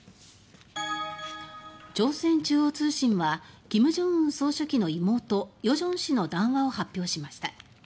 朝鮮中央通信は金正恩総書記の妹与正氏の談話を発表しました。